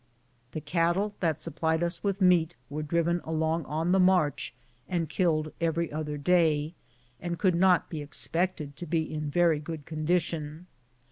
The cattle that supplied us with meat were driven along on the march, and killed every other day, and could not be expected to be in very good condition.